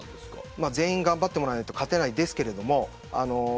全員頑張ってもらわないと勝てないですけど